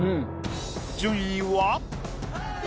順位は。